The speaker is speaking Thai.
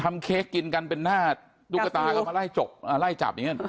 ทำเค้กกินกันเป็นหน้าดูกตาก็มาไล่จับอย่างนี้